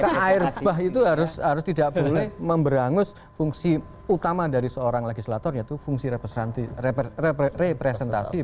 karena air bah itu harus tidak boleh memberangus fungsi utama dari seorang legislator yaitu fungsi representasi